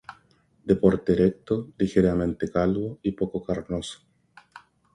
De porte erecto, ligeramente calvo, y poco carnoso.